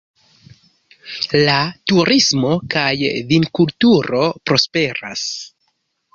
La turismo kaj vinkulturo prosperas.